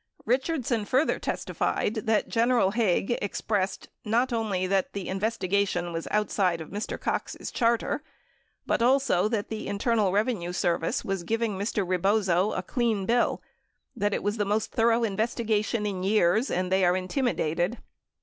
86 Richardson further testified that General Haig expressed not only that "the investigation was outside of Mr. Cox's charter," but also that "the Internal Revenue Service Avas giving Mr. Rebozo a clean bill, that it Avas the most thorough investigation in years, and that they are intimidated.